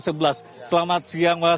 selamat siang mas